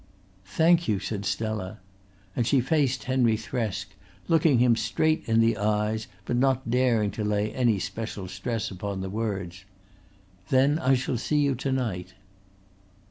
"Thank you," said Stella, and she faced Henry Thresk, looking him straight in the eyes but not daring to lay any special stress upon the words: "Then I shall see you to night."